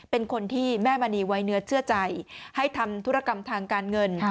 เป็นคนที่แม่มณีไว้เนื้อเชื่อใจให้ทำธุรกรรมทางการเงิน